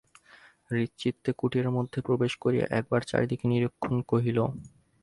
হৃষ্টচিত্তে কুটিরের মধ্যে প্রবেশ করিয়া একবার চারিদিকে নিরীক্ষণ কহিল।